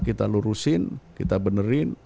kita lurusin kita benerin